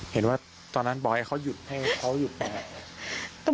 เห็นว่าตอนนั้นบอล์ให้เขาหยุดไหม